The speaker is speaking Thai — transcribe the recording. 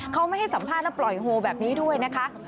เขาไม่ให้สัมภาษณ์แล้วปล่อยโฮแบบนี้ด้วยนะคะ